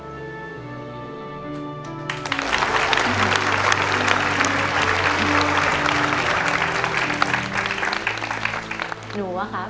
อเรนนี่ส์ขอบคุณครับ